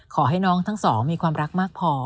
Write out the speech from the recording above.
ขอให้น้องทั้งสองมีความรักมากพอ